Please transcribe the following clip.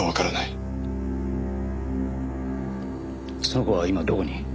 その子は今どこに？